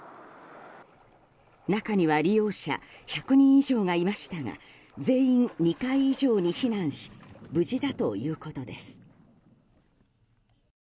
中には利用者１００人以上がいましたが全員、２階以上に避難し無事だということです。